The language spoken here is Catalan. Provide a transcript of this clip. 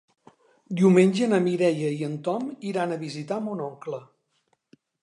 Diumenge na Mireia i en Tom iran a visitar mon oncle.